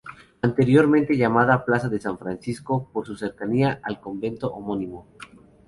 Anteriormente llamada Plaza de San Francisco, por su cercanía al convento homónimo.